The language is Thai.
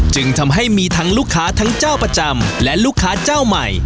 จึงทำให้มีทั้งลูกค้าทั้งเจ้าประจำและลูกค้าเจ้าใหม่